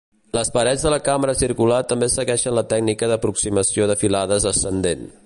Les parets de la cambra circular també segueixen la tècnica d'aproximació de filades ascendent.